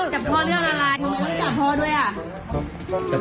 จับพ่อเรื่องอะไร